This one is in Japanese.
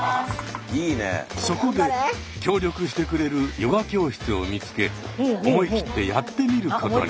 そこで協力してくれるヨガ教室を見つけ思い切ってやってみることに。